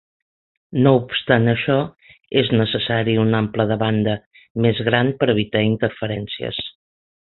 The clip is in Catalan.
No obstant això, és necessari un ample de banda més gran per evitar interferències.